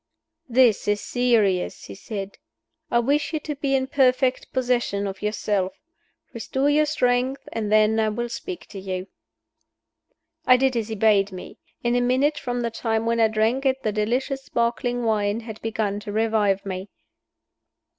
"This is serious," he said. "I wish you to be in perfect possession of yourself. Restore your strength and then I will speak to you." I did as he bade me. In a minute from the time when I drank it the delicious sparkling wine had begun to revive me.